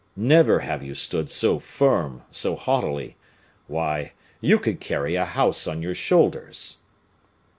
Never have you stood so firm, so haughtily; why, you could carry a house on your shoulders."